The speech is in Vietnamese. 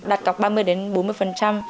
đặt cọc ba mươi bốn mươi